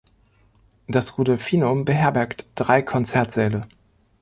Das Rudolfinum beherbergt drei Konzertsäle.